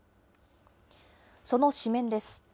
その紙面です。